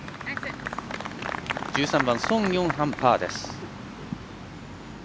１３番、ソン・ヨンハンパーです。